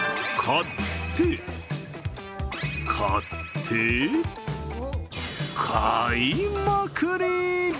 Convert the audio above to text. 買って、買って、買いまくり！